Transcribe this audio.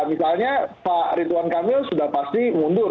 misalnya pak ridwan kamil sudah pasti mundur